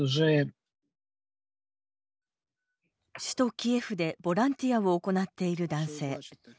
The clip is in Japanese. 首都キエフでボランティアを行っている男性。